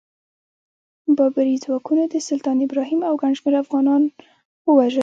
بابري ځواکونو د سلطان ابراهیم او ګڼ شمېر افغانان ووژل.